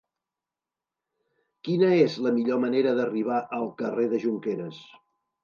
Quina és la millor manera d'arribar al carrer de Jonqueres?